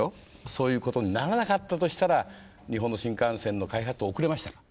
そういうことにならなかったとしたら日本の新幹線の開発って遅れましたか？